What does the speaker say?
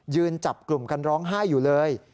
จับกลุ่มกันร้องไห้อยู่เลย